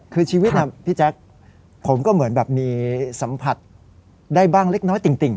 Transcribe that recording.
คือชีวิตพี่แจ๊คผมก็เหมือนแบบมีสัมผัสได้บ้างเล็กน้อยติ่ง